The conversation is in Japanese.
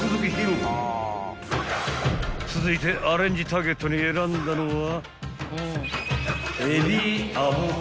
［続いてアレンジターゲットに選んだのは］